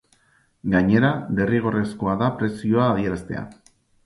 Gainera, derrigorrezkoa da prezioa adieraztea.